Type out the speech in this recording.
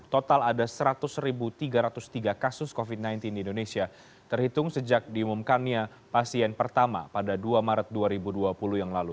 total ada seratus tiga ratus tiga kasus covid sembilan belas di indonesia terhitung sejak diumumkannya pasien pertama pada dua maret dua ribu dua puluh yang lalu